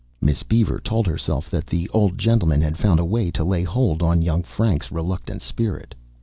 Miss Beaver told herself that the old gentleman had found a way to lay hold on young Frank's reluctant spirit.